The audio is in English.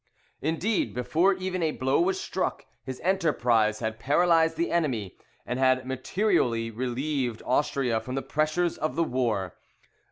Indeed, before even a blow was struck, his enterprise had paralysed the enemy, and had materially relieved Austria from the pressure of the war.